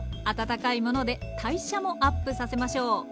温かいもので代謝もアップさせましょう。